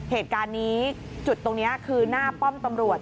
เหตุการณ์นี้จุดตรงนี้คือหน้าป้อมตำรวจ